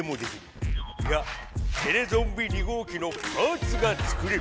いやテレゾンビ２号機のパーツが作れる。